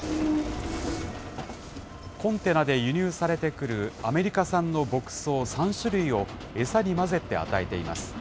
コンテナで輸入されてくるアメリカ産の牧草３種類を餌に混ぜて与えています。